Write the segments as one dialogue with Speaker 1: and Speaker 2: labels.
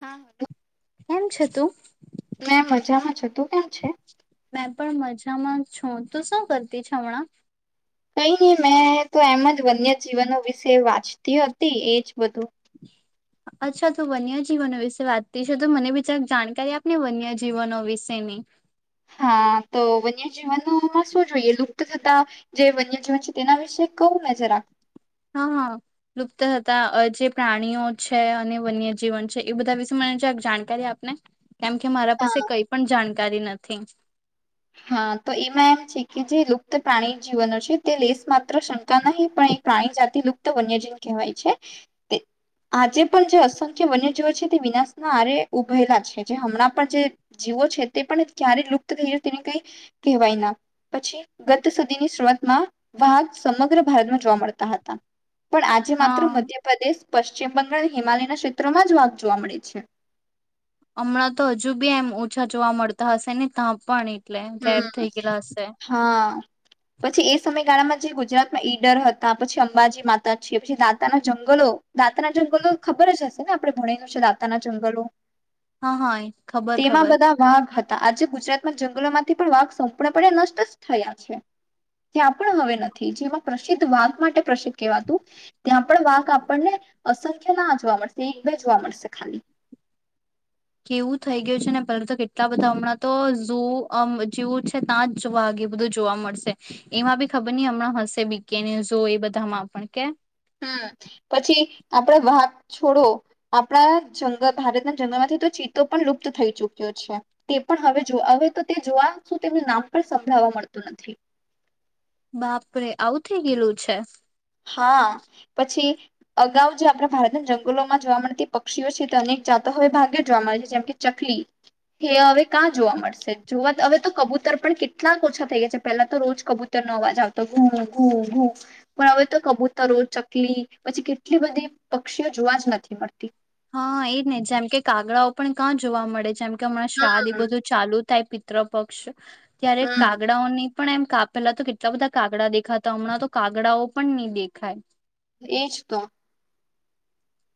Speaker 1: હા હલો.
Speaker 2: કેમ છે તું?
Speaker 1: મેં મજામાં છું, તું કેમ છે?
Speaker 2: મેં પણ મજામાં છું તો શું કરતી છું હમણાં
Speaker 1: કઈ નહી મેં તો એમ જ વન્યજીવનો વિશે વાંચતી હતી એજ બધું
Speaker 2: અચ્છા તોું વન્યજીવનો વિશે વાતતી છે તો મને બીજા જાણકારી આપને વન્યજીવનો વિશેની
Speaker 1: હા તો વન્યજીવનમાં શું જોઈએ લુપ્ત થતા જે વન્યજીવન છે તેના વિશે કવું ને જરાક
Speaker 2: હા હા લુપ્ત થતા જે પ્રાણીઓ છે અને વન્યજીવન છે એ બધા વિશે મને જરાક જાણકારી આપને કેમ કે મારા પાસે
Speaker 1: હા
Speaker 2: કઈ પણ જાણકારી નથી થેન્કસ
Speaker 1: હા તો એમાં એમ છે કે જે લુપ્ત પ્રાણી જીવનો છે તે લેેશ માત્ર શંકા નહીં પણ એ પ્રાણી જાતિ લુપ્ત વન્યજીવ કહેવાય છે આજે પણ જે અસંખ્ય વન્યજીવો છે તે વિનાશના આરે ઉભયલા છે જે હમણાં પણ જે જીવો છે તે પણ ક્યારે લુપ્ત થઈ તેને કઈ કહેવાય ના પછી ગત સુધીની શરૂઆતમાં વાઘ સમગ્ર ભારતમાં જોવા મળતા હતા પણ આજે માત્ર
Speaker 2: હા
Speaker 1: મધ્યપ્રદેશ પશ્ચિમ બંગાળ હિમાલયના ક્ષેત્રોમાં જ વાધ જોવા મળે છે
Speaker 2: હમણાં તો હજુ બી એમ ઓછા જોવા મળતા હશે ને ત્યાં પણ એટલે રેર
Speaker 1: હમ
Speaker 2: થઈ ગયેલા હશે.
Speaker 1: હા પછી એ સમય તારામાં જે ગુજરાતમાં ઈડર હતા પછી અંબાજી માતા છે પછી દાતાના જંગલો દાતાના જંગલો ખબર જ હશે ને આપણે ભણેલું છે દાતાના જંગલો
Speaker 2: હા હા ખબર
Speaker 1: તેમાં
Speaker 2: ખબર
Speaker 1: બધા વાઘ હતા આજે ગુજરાત જંગલોમાં ત્યાં થી પણ વાધ સંપૂર્ણ પણે નષ્ટ જ થયા છે ત્યાં પણ હવે નથી જેમાં પ્રસિદ્ધ વાઘ માટે પ્રસિદ્ધ કેવાતું ત્યાં પણ વાધ આપણને અસર કેમાં જોવા મળશે બે જોવા મળશે ખાલી
Speaker 2: કેવું થઈ ગયું છે ને પહેલા તો કેટલા બધા હમણાં તો જોવ અમ જેવું છે ત્યાં જ વાગે બધું જોવા મળશે એમાં બી ખબર નહી હમણાં હશે બીકેને જો એ બધામાં પણ કે
Speaker 1: હમ પછી આપણા વાગ છોડો આપણા જંગલ ભારતના જંગલમાંથી તો ચિત્તો પણ લુપ્ત થઈ ચુક્યો છે તે પણ હવે જો હવે તો તે જોવા શું તેમનું નામ પણ સંભળાવવા મળતું નથી
Speaker 2: બાપરે આવું થઇ ગયેલું છે
Speaker 1: હા પછી અગાઉ જે આપણા ભારતના જંગલોમાં જોવા મળતી પક્ષીઓ છે તે અનેક જાતો હવે ભાગ્યે જોવા મળે છે જેમ કે ચકલી એ હવે કકાં જોવા મળશે જોવાત હવે તો કબૂતર પણ કેટલાક ઓછા થઈ ગયા છે પેલા તો રોજ કબૂતર પણ હવે તો કબૂતરો ચકલી પછી કેટલી બધી પક્ષીઓ જોવા જ નથી મળતી
Speaker 2: હા એજ ને જેમ કે કાગડાઓ પણ કાં જોવા મળે જેમ અમણાં શ્રાધ એ બધું ચાલુ થાય પી ત્રપક્ષ ત્યારે
Speaker 1: હમ
Speaker 2: કાગડાઓની પણ એમ કાપેલા તો કેટલા બધા કાગડા દેખાતા હમણાં તો કાગડાઓ પણ ની દેખાય
Speaker 1: એજ તો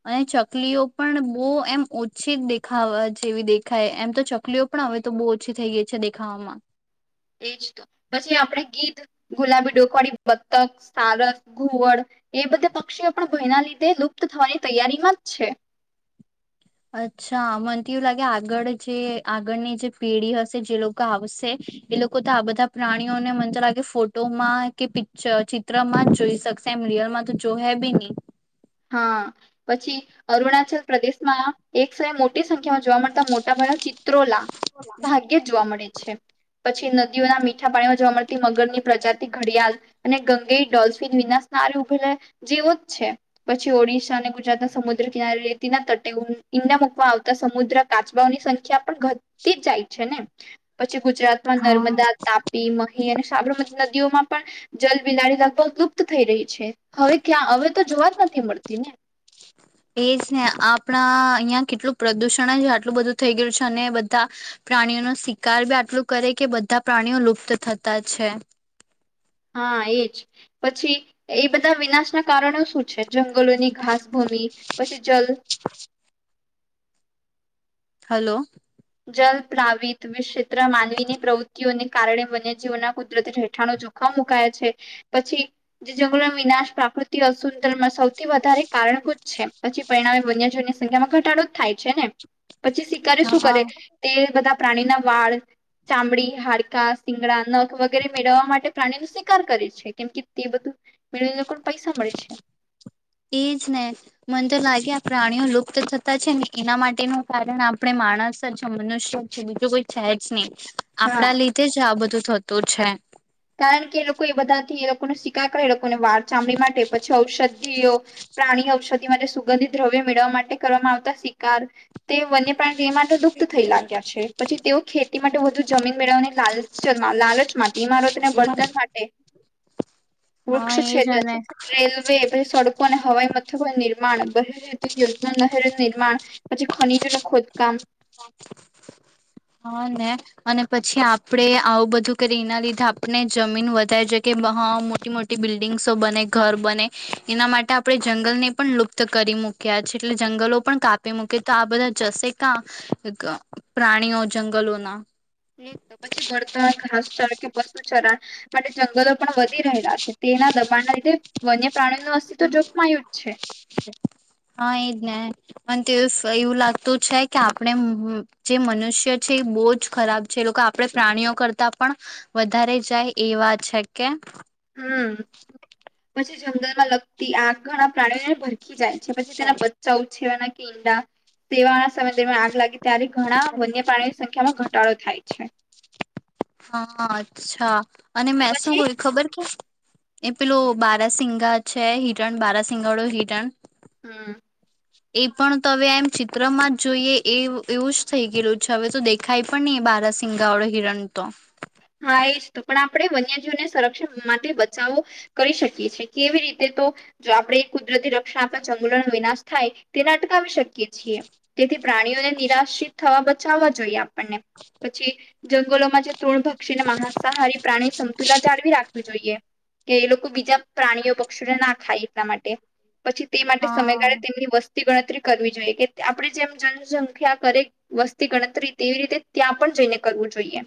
Speaker 2: અને ચકલીઓ પણ બહુ એમ ઓછી દેખાવા જેવી દેખાય એમ તો ચકલીઓ પણ હવે તો બહુ ઓછી થઈ ગઈ છે દેખાવામાં
Speaker 1: એજ તો પછી આપણે ગીધ ગુલાબી ડોકવાળી બતક સારસ ઘોવડ એ બધા પક્ષીઓ પણ ભયના લીધે લુપ્ત થવાની તૈયારીમાં જ છે
Speaker 2: અચ્છા મને તો એવું લાગે આગળ જે આગળની જે પેઢી હશે જે લોકો આવશે એ લોકો તો આ બધા પ્રાણીઓને મને તો લાગે ફોટોમાં કે પિક્ચર ચિત્રમાં જ જોઈ શકશે એમ રિયલમાં તો જો હે બી ની
Speaker 1: હા પછી અરુણાચલ પ્રદેશમાં એક સે મો મોટી સંખ્યામાં જોવા મળતા મોટા ભયા ચિત ત્રોલા ભાગ્ય જોવા મળે છે પછી નદીઓના મીઠા પાણીમાં જોવા મળતી મગરની પ્રજાતિ ઘડિયાળ અને ગંગે ડોલ્ફિન વિનાશ નાર ઉભેલા જેવો જ છે પછી ઓડિશા અને ગુજરાતના સમુદ્ર કિનારે રેતીના તટે ઈન્ડાિયા મુકમાં આવતા સમુદ્ર કાચબાઓની સંખ્યા પણ ઘતી જ જાય છે ને વચ્ચે ગુજરાતમાં
Speaker 2: હા
Speaker 1: નર્મદા, તાપી મહી, અને સાબરમતી નદીઓમાં પણ જલબિલાડી લગભગ લુપ્ત થઈ રહી છે. હવે ક્યાં અવે તો જોવા નથી મળતી ને.
Speaker 2: એજ ને આપણા અહિયાં કેટલું પ્રદુષણ જ આટલું બધું થઈ ગયું છે ને બધા પ્રાણીઓનો શિકાર બી આટલું કરે કે બધા પ્રાણીઓ લુપ્ત થતા છે.
Speaker 1: હા એજ પછી એ બધા વિનાશના કારણો શું છે જંગલોની ઘાસભૂમી, પછી જલ.
Speaker 2: હલો.
Speaker 1: જલ પ્રાવિત વી ક્ષેત્ર માનવીની પ્રવૃત્તિઓને કારણે વન્યજીવના કુદરતી રેઠાળો જોખમ મુકયા છે પછી જે જંગલો વિનાશ પ્રાકૃતિ અસુંનમાં સૌથી વધારે કારણભૂત છે, પછી પરિણામે વન્યજીવની સંખ્યામાં ઘટાડો જ થાય છે ને? પછી સિકારી શું
Speaker 2: હા
Speaker 1: કરે? તે બધા પ્રાણીના વાળ, ચામડી, હાડકા, સિંગડા નખ વગેરે મેળવવા માટે પ્રાણી નું સિકાર કરે છે કેમ કે તે બધું મેળવીને લોકોને પૈસા મળે છે
Speaker 2: એજ ને મન તો લાગ કે આ પ્રાણીઓ લુપ્ત થતા છે ને એના માટેનું કારણ આપણે માણસ જ છે, મનુષ્ય જ છે, બીજું કોઈ છે જ નઈ.
Speaker 1: હા
Speaker 2: આપણા લીધે જ આ બધું થતું છે.
Speaker 1: કારણકે એ લોકો એ બધા થી એ લોકો ને સિકાર કરે એ અને વાર, ચામડી માટે પછી ઔષધિઓ. પ્રાણી ઔષધિ માટે સુગંધિત દ્રવ્ય મેળવવા માટે કરવામાં આવતા સિકાર. તે વન્ય પ્રાણીય માટે દુપ્ત થઈ લાગ્યા છે, પછી તેઓ ખેતી માટે વધુ જમીન મેળવાની લાલ ચમાં લાલચમાં ટી મારે ને બર્તન માટે.
Speaker 2: હા
Speaker 1: વૃક્ષ
Speaker 2: એજ
Speaker 1: છેદન
Speaker 2: ને
Speaker 1: રેલવે, પછી સડકો અને હવાઈ મથકો નિર્માણ, બ [inaudible] હેતુ યોજના નહેર નિ ર્માળ, પછી ખનીજો નું ખોદકામ.
Speaker 2: હા ને અને પછી આપણેે આવું બધું કરી એના લીધે આપણે જમીન વધારે છે કે બહ મોટી મોટી બિલ્ડિંગ્સો બને, ઘર બને એના માટે આપણે જંગલ ને પણ લુપ્ત કરી મૂક્યા છે, એટલે જંગલો પણ કાપી મૂકી, તો આ બધા જશે કા એક પ્રાણીઓ જંગલોના?
Speaker 1: હમ્મ, પછી બળતણ, ઘાસચાર કે પશુ ચરા માટે જંગલો પણ વધી રહેલા છે, તેના દબાણના લીધે વન્ય પ્રાણી નું અસ્તિત્વ જોખમાયું જ છે.
Speaker 2: હા એજ ને પણ તેવું સયુ લાગતું છે કે આપણે જે મનુષ્ય છે એ બોજ ખરાબ છે, એ લોકો આપણે પ્રાણીઓ કરતા પણ વધારે જાય એવા છે કે
Speaker 1: હમ્મ, પછી જંગલ માં લગતી આગ ઘણા પ્રાણીઓને ભર ખી જાય છે. પછી તેના બચ્ચા છેવાના [unintelligible] સેવાના સમય દરમિયાન આગ લાગે ત્યારે ઘણા વન્ય પ્રાણીઓની સંખ્યામાં ઘટાડો થાય છે.
Speaker 2: હા અચ્છા. અને મે શું
Speaker 1: પછી
Speaker 2: કોય ખબર કે? એ પેલું બારાસિંગા છે હિરણ બારાાસિંગા વાળું હિરણ.
Speaker 1: હમ.
Speaker 2: એ પણ તવે એમ ચિત્રમાં જ જોઈએ એ એવું જ થઈ ગયેલું છે હવે તો દેખાય પણ નહી એ બારા સિંગાવળો હિરણ તો.
Speaker 1: હા એ પણ આપણે વન્યજીવને સંરક્ષણ માટે બચાવો કરી શકીએ છીએ કેવી રીતે તો જો આપણે કુદરતી રક્ષણ આપવા જંગલોનો વિનાશ થાય તેને અટકાવી શકીએ છીએ તેથી પ્રાણીઓને નિરાશિત થવા બચાવવા જોઈએ આપણને. પછી જંગલોમાં જે ત્રણ ભ દક્ષિણ મહાસાહારી પ્રાણી. તુલા જાળવી રાખવી જોઈએ. કે એ લોકો બીજા પ્રાણીઓ પક્ષીને ના ખાય એટલા માટે. પછી તે માટે
Speaker 2: હા
Speaker 1: સમયગાળે તેમની વસ્તુ. વસ્તી ગણતરી કરવી જોઈએ. કે આપણે જેમ જનસંખ્યા કરે વસ્તી ગણતરી તેવી રીતે ત્યાં પણ જઈને કરવું જોઈએ.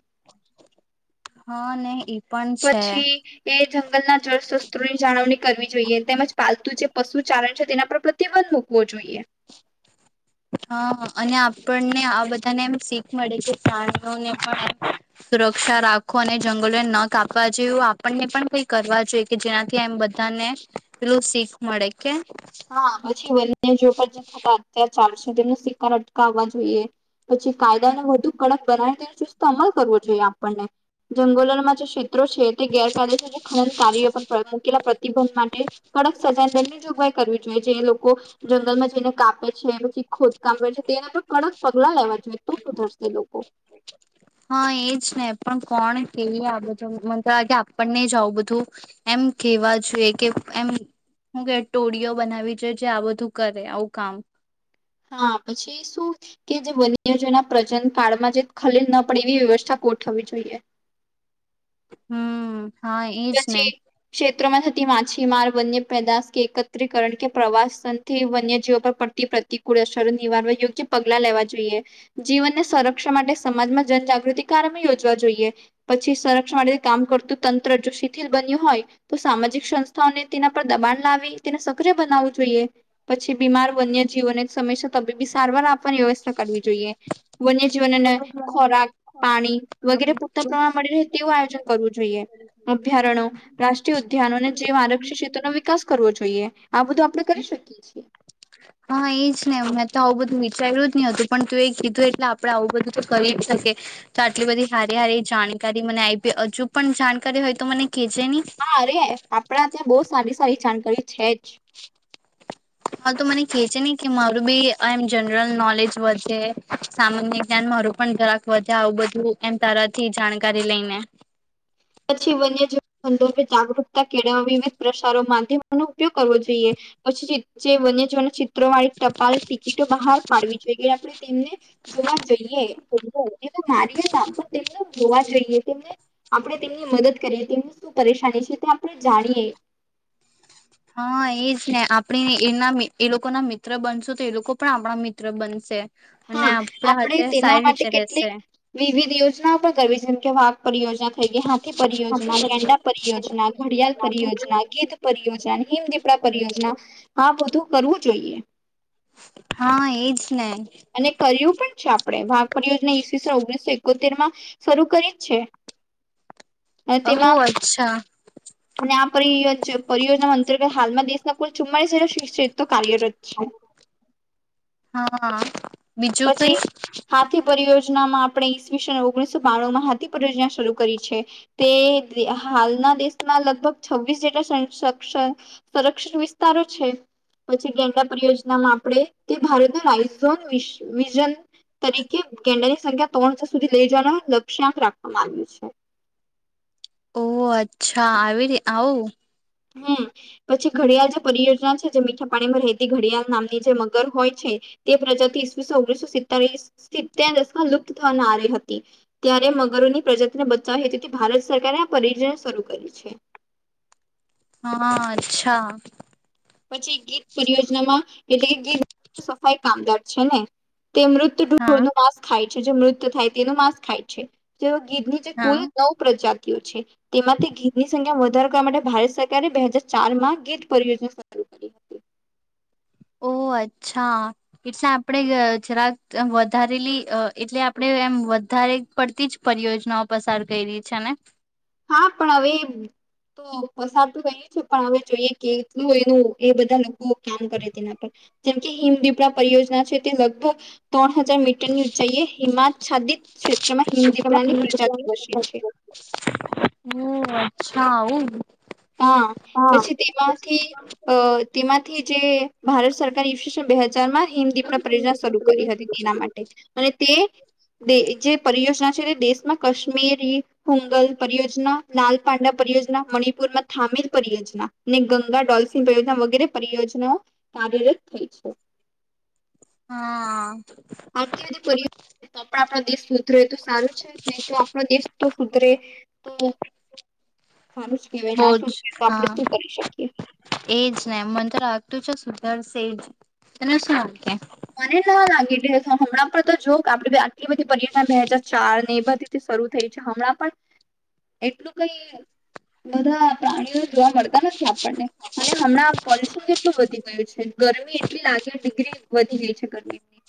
Speaker 2: હા ને એ પણ છે
Speaker 1: પછી એ જંગલના જળ શસ્ત્રોની જાળવણી કરવી. તેમજ પાલતું જે પશુ ચાલણ છે તેના પર પ્રતિબંધ મૂકવો જોઈએ.
Speaker 2: હા અને આપણને આ બધાને એમ શીખ મળે છે પ્રાણીઓને પણ સુરક્ષા રાખો અને જંગલોને ન કાપવા જેવું આપણને પણ કઈ કરવા જોઈએ કે જેનાથી એમ બધાને પેલું શીખ મળે કે.
Speaker 1: હા પછી વન્યજી પણ જે થતા અત્યાર ચાલશે તેમનો શિકાર અટકાવવા જોઈએ પછી કાયદાને વધુ કડક બનાવે તે ચુસ્ત અમલ કરવો જોઈએ આપણને જંગલોમાં [unintelligible] કેટલા પ્રતિબંધ માટે કડક સજા દંની જોગભાઈ કરવી જોઈએ જે લોકો જંગલમાં જઈને કાપે છે પછી ખોદકામ કરે છે તેના તો કડક પગલા લેવા તો સુધરશે લોકો
Speaker 2: હા એજ ને પણ કોણ કેએ આ બધું મ આ કેે આપણને જ આવું બધું એમ કેવા જોઈએ કે એમ શું કે ટોળીઓ બનાવી જોઈ જે આ બધું કરે આવું કામ
Speaker 1: હા પછી શું કે જે વન્યજના પ્રજન કાળમાં જે ખલેલ ના પડે એવી વ્યવસ્થા ગોઠવી જોઈએ
Speaker 2: હમ હા એજ ને
Speaker 1: ચમાં થતી માછીમાર વન્ય પેદાશ કે એકત્રીકરણ કે પ્રવાસનથી વન્યજીીવો પર પડતી પ્રતિકૂળ અસરો નિવારવા યોગ્ય પગલા લેવા જોઈએ જીવનને સંરક્ષણ માટે સમાજમાં જનજાગૃતિ કાર્ય યોજવા જોઈએ પછી સંરક્ષણ માટે કામ કરતું તંત્ર જો શિથિલ બન્યું હોય તો સામાજિક સંસ્થાઓને તેના પર દબાણ લાવી તેને સક્રિય બનાવવું જોઈએ પછી બીમાર વન્ય જીવનને સમમેશા તબીબી સારવાર આપવાની વ્યવસ્થા કરવી જોઈએ વન્ય જીવન અને ખોરાક પાણી વગેરે પૂરતા પ્રમાણ મળી રહે તેવું આયોજન કરવું જોઈએ અભ્યારણો રાષ્ટ્રીય ઉદ્યાનો અને જેવ આરક્ષી ક્ષેત્ર નો વિકાસ કરવો જોઈએ આ બધું આપણે કરી શકીએ છીએ
Speaker 2: હા એજ ને મેં તો આવું બધું વિચાર્યું જ નહ હતું પણ તું એ કીધું એટલે આપડે આવું બધું તો કરી જ શકી તો આટલી બધી સારી હારી જાણકારી મને આવીી હજુ પણ જાણકારી હોય તો મને કેજે ની
Speaker 1: હા અરે આપડા ત્યાં બહુ સાી સ જાણકારી છેઠ
Speaker 2: એ છે નહી કે મારું બી એમ જનરલ નોલેજ વધે સામાન્ય જ્ઞાન મારું પણ જરાક વધે આવું બધું એમ તરથી જાણકારી લઈને
Speaker 1: પછી વન્યજીવન સંદર્ભે જાગૃતતા કેળવવા વિવિધ પ્રસારો માધ્યમો ન ઉપયોગ કરવો જોઈએ પછી જે વન્યજીવ ચત્ર વાળી ટપાલ ટિકિટો બહાર પાડવી જોઈ કે આપણે તેમને જોવા જઈએ મારી ના પણ તેમને જોવા જઈએ તેમને આપણે તેમની મદદ કરીએ તેમની શું પરેશાની છે તે આપણે જાણીએ.
Speaker 2: હા એજ ને આપણે એના મિ એ લોકો ના મિત્ર બનશું તો એ લોકો પણ આપણા મિત્ર બનશે. અને
Speaker 1: હા
Speaker 2: આપડા
Speaker 1: આપણે
Speaker 2: હાથે
Speaker 1: તેના
Speaker 2: સારી
Speaker 1: માટે
Speaker 2: રીતે રેશે
Speaker 1: કેટલીક વિવિધ યોજના પણ કરવી છે, જેમ કે વા [unintelligible] થઈ ગઈ, હાથી પરિયોજના, ગેંડા પરિયોજના, ઘડિયાલ પરિયોજના, ગીધ પરિયોજના, હિમ દીપડા પરિયોજના આ બધું કરવું જોઈએ.
Speaker 2: હા એજ. ને
Speaker 1: અને કર્યું પણ છે આપણે. વાઘ પરિયોજના ઈસવીસે ઓગણીસો એકો તેર માં શરૂ કરી જ છે. અને
Speaker 2: ઓ
Speaker 1: તેમાં
Speaker 2: અચ્છા
Speaker 1: અને આ પરિયોજ પરિયોજના અંતર્ગત હાલમાં દેશના કુલ ચુમ્માલીસ [unintelligible] કાર્યરત છે.
Speaker 2: હા બીજું
Speaker 1: પછી
Speaker 2: કઈ
Speaker 1: હાથી પરિ યોજનામાં આપણે ઈસવીસો ઓગણીસો બાણું માં હાથી પરિયોજના શરૂ કરી છે. તે હાલના દેશમાં લગભગ છવ્વીસ જેટલા [unintelligible] સંરક્ષણ વિસ્તારો છે. પછી ગેંડા પરિયોજનામાં આપણે તે ભારતના રાઇઝોન વિ વિઝન તરીકે ગેંડાની સંખ્યા ત્રણસો સુધી લઈ જવાનું લક્ષ્યાંક રાખવામાં આવ્યું છે.
Speaker 2: ઓહ! અચ્છા આવી રી આવું.
Speaker 1: હમ્મ. પછી ઘડિયાલ જે પરિયોજના છે જે મીઠા પાણીમાં રહેતી ઘડિયાલ નામની જે મગર હોય છે, તે પ્રજાતિ ઈસ્વીસસૌ ઓગણીસો સિતતાલી [unintelligible] માં લુપ્ત થવનારી હતી. ત્યારે મગરોની પ્રજાતિને બચાવવા હેતુથી ભારત સરકારે આ પરિયોજના શરૂ કરી છે.
Speaker 2: હા અચ્છા.
Speaker 1: પછી ગીધ પરિયોજનામાં એટલે ગીધ સફાઈ કામદાર છે ને. તે મૃત
Speaker 2: હા
Speaker 1: [unintelligible] નું માંસ ખાય. જે-જે મૃત થાય તેનો માંસ ખાય છે. તેઓ કિડની ચે
Speaker 2: હા
Speaker 1: કુલ નવ પ્રજા તીયું છે. તેમાંથી ઘીધની સંખ્યા વધારે કરવા માટે ભારત સરકારે બે હજાર ચાર માં ગીત પરિયોજના શર [inaudible]
Speaker 2: ઓહ અચ્છ. એટલે આપણેે અહ જરાક વધારેલી અહ એટલે આપણે એમ વધારે પડતી જ પરિયોજનાઓ પસાર કયરી છે ને.
Speaker 1: હા પણ હવે તો પસાર કયરું તું છે પણ હવે જોઈએ કે કેટલું એનું એ બધા વો કામ કરે તેના પર. જેમકે હિમ દીપડા પરિયોજના છે તે લગભગ ત્રણ હ હજાર મીટરનું ચઈયે હિમા છાદી
Speaker 2: [inaudible]
Speaker 1: છે
Speaker 2: હમ્મ, અચ્છા, વું.
Speaker 1: હા પછી તેમાંથી અહ તેમાંથી જે ભાર ત સરકાર ઇસવિસન બે હજારમાં હિમદીપડા પરિયોજના શરૂ કરી હતી તેના માટે, અને તે દે જે પરિયોજના છે ને દેશ [unintelligible] માં કાશ્મીરી હોુંગલ પરિયોજના લાલ પાંડા પરિયોજના મણિપુરમાં થામીર પરિયોજના અનેને ગંગા ડોલ્ફિન પરિયોજના વગેરે પરિયોજનાઓ કાર્યરત થઈ છે.
Speaker 2: હા
Speaker 1: અત્યારે પરિયોજના પર આપડા [unintelligible] સુધરે તો સારું છે. નહી તો, આપનો દેશ તો સુધરે તો સારું જ કેહેવાય
Speaker 2: બહુ
Speaker 1: ના સુધરે તો
Speaker 2: જ
Speaker 1: આપણે
Speaker 2: હા
Speaker 1: શું કરી શકીએ.
Speaker 2: સે જ તને સુ
Speaker 1: મને ના લાગે એટલે હમણાં પણ તો જો આપડે આટલી બધી પર્યટન બે હાજાર ચાર ને એ બધી શરૂ થઈ છે હમણાં પણ એટલું કઈ બધા પ્રાણીઓ જોવા મળતા નથી આપણને અને હમણાં પલ કેટલું વધી ગયું છે ગરમી એટલી લાગે ડિગ્રી વધી ગઈ છે ગરમીની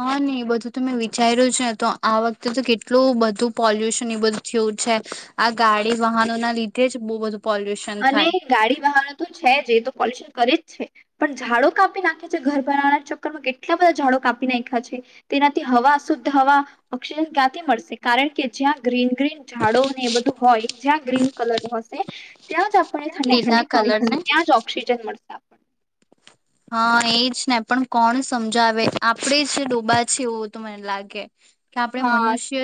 Speaker 2: હા ને એ બધું ત મેં વિચાર્યું છે તો આ વખતે તો કેટલું બધું પોલ્યુશન એ બધું થયું છે આ ગાડી વાહનો ના લીધે જ બહુ બધું પોલ્યુશન
Speaker 1: અને
Speaker 2: થાય
Speaker 1: ગાડી બહાર તો છે જ એ તો પોલ્યુન કરે જ છે પણ ઝાડો કાપી નાખે છે ઘર બનાવવાના ચક્કરમાં કેટલા બધા ઝાડો કાપી નાખ્યા છે, તેનાથી હવા શુદ્ધ હવા ઓક્સિજન ક્યાંથી મળશે કારણ કે જ્યાં ગ્રીન ગ્રીન ઝાડો ને એ બધું હોય જ્યાં ગ્રીન કલર હશે ત્યાં જ આપણને ઠંડી
Speaker 2: લીલા
Speaker 1: ઠંડી જોવા
Speaker 2: કલર
Speaker 1: મળશે
Speaker 2: ને
Speaker 1: ત્યાં જ ઓક્સિજન મળશે આપણને
Speaker 2: હા એજ ને પણ કોણ સમજાવે આપણેે જ ડોબા છેએ એવું તો મને લાગે કે આપડણે
Speaker 1: હા
Speaker 2: મનુષ્ય